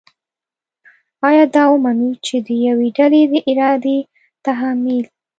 آیا دا ومنو چې د یوې ډلې د ارادې تحمیل